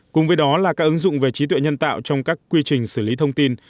cùng với đó là các ứng dụng về trí tuệ nhân tạo trong các quy trình xử lý thông tin